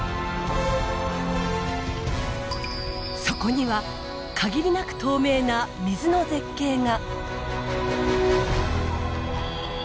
そこには限りなく透明な水の絶景が。